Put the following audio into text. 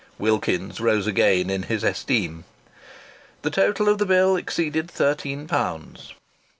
Wilkins's rose again in his esteem. The total of the bill exceeded thirteen pounds.